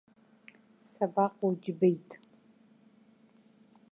Сабаҟоу, џьбеит?!